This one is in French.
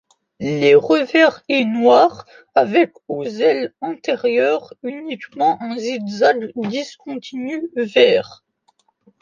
Les revers est noir avec aux ailes antérieures uniquement un zigzag discontinu vert.